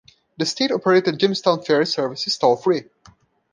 The state-operated Jamestown Ferry service is toll-free.